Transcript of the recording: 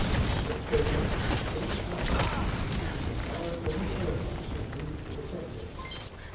He had spoken for three hours. The torrent of his eloquence had moved the assembly.